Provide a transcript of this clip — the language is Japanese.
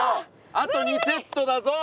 あと２セットだぞ！